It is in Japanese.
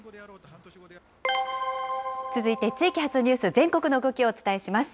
続いて地域発ニュース、全国の動きをお伝えします。